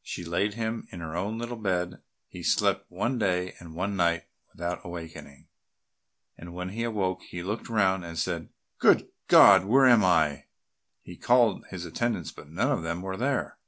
She laid him in her own little bed, and he slept one day and one night without awakening, and when he awoke he looked round and said, "Good God! where am I?" He called his attendants, but none of them were there.